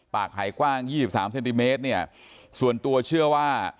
ปากหายกว้างยี่สิบสามเซนติเมตรเนี้ยส่วนตัวเชื่อว่า